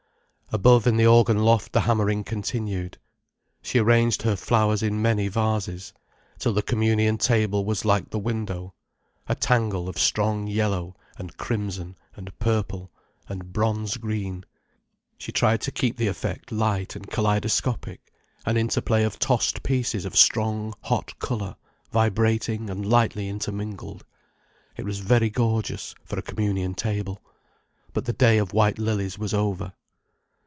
Above in the organ loft the hammering continued. She arranged her flowers in many vases, till the communion table was like the window, a tangle of strong yellow, and crimson, and purple, and bronze green. She tried to keep the effect light and kaleidoscopic, an interplay of tossed pieces of strong, hot colour, vibrating and lightly intermingled. It was very gorgeous, for a communion table. But the day of white lilies was over.